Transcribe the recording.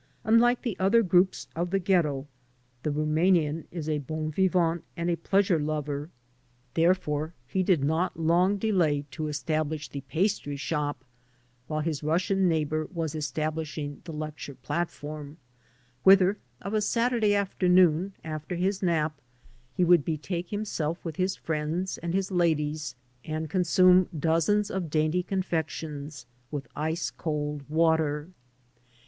Unlike the other groups of the Ghetto, the Rumanian is a bon vivant and a pleasure lover; therefore he did not long delay 88 << HOW DO YOU LIKE AMERICA?" to establish the pastry shop (while his Russian neighbor was establishing the lecture platform) , whither of a Satur day afternoon, after his nap, he would betake himself with his friends and his ladies and consume dozens of dainty confections with ice cold water.